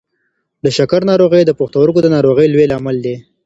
د شکر ناروغي د پښتورګو د ناروغۍ لوی لامل دی.